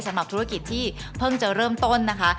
สำหรับธุรกิจที่เพิ่งจะเริ่มต้นนะคะ